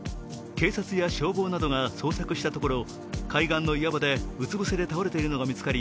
警察や消防などが捜索したところ、海岸の岩場でうつ伏せで倒れているのが見つかり